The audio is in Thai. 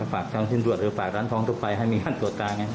เขาฝากกรรมชื่นรวดเออฝากร้านทองตัวไปให้มีการตรวจทางไง